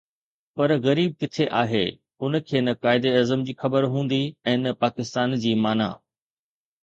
پر غريب ڪٿي آهي، ان کي نه قائداعظم جي خبر هوندي ۽ نه پاڪستان جي معنيٰ.